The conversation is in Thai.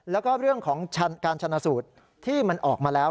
แล้วก็เรื่องของการชนะสูตรที่มันออกมาแล้ว